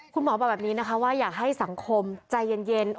บอกแบบนี้นะคะว่าอยากให้สังคมใจเย็น